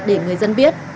để người dân biết